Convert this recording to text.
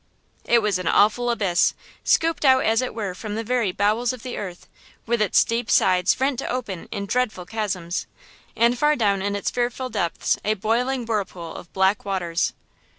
It was an awful abyss, scooped out as it were from the very bowels of the earth, with its steep sides rent open in dreadful chasms, and far down in its fearful depths a boiling whirlpool of black waters.